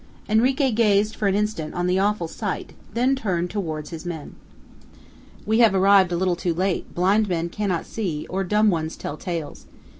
Henrique gazed for an instant on the awful sight, then turned towards his men. "We have arrived a little too late; blind men cannot see, or dumb ones tell tales.